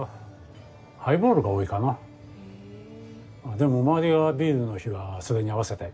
でも周りがビールの日はそれに合わせたり。